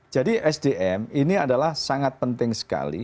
jadi sdm ini adalah sangat penting sekali